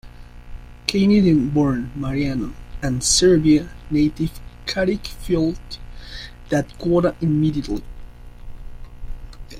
Canadian-born Marinaro and Serbia native Karic filled that quota immediately.